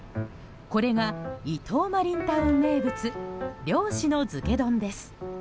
これが伊東マリンタウン名物漁師の漬け丼です。